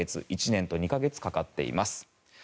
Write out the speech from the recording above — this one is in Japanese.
１年と２か月かかっています。